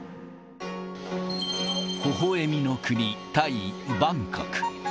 ほほえみの国、タイ・バンコク。